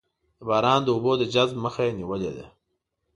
چې د باران د اوبو د جذب مخه یې نېولې ده.